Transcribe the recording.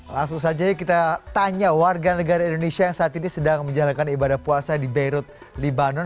langsung saja kita tanya warga negara indonesia yang saat ini sedang menjalankan ibadah puasa di beirut libanon